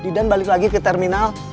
didan balik lagi ke terminal